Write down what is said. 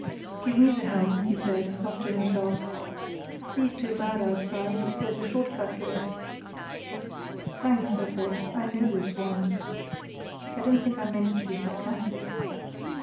"'Give me the helm,' he said, half to himself. 'Sea's too bad outside—there's a short cut here.' "'Thanks,' I said, 'I know this one.' (I don't think I meant to be sarcastic.)